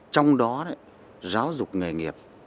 trong đó giáo dục nghề nghiệp